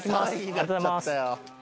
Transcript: ありがとうございます。